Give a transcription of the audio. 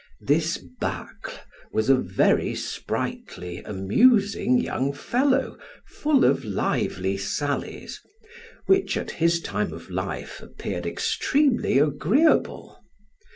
This Bacle was a very sprightly, amusing young fellow, full of lively sallies, which at his time of life appeared extremely agreeable.